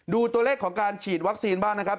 ดูตัวเลขของการฉีดวัคซีนบ้างนะครับ